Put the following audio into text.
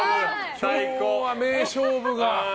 今日は名勝負が。